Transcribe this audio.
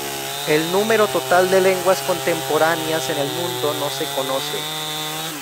El número total de lenguas contemporáneas en el mundo no se conoce.